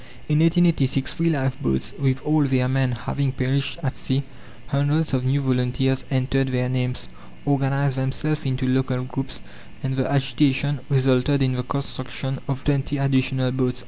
In 1886, three lifeboats with all their men having perished at sea, hundreds of new volunteers entered their names, organized themselves into local groups, and the agitation resulted in the construction of twenty additional boats.